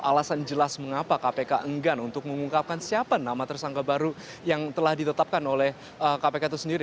alasan jelas mengapa kpk enggan untuk mengungkapkan siapa nama tersangka baru yang telah ditetapkan oleh kpk itu sendiri